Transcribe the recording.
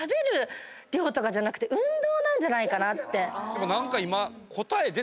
でも何か今。